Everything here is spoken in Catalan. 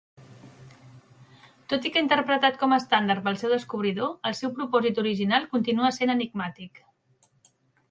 Tot i que interpretat com a estàndard pel seu descobridor, el seu propòsit original continua sent enigmàtic.